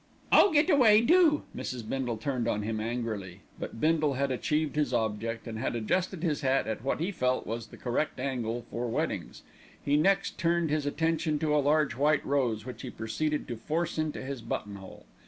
"Oh, get away, do!" Mrs. Bindle turned on him angrily; but Bindle had achieved his object, and had adjusted his hat at what he felt was the correct angle for weddings. He next turned his attention to a large white rose, which he proceeded to force into his buttonhole.